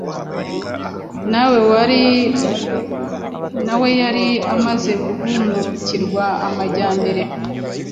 nawe yari amaze guhumukirwa amajyambere,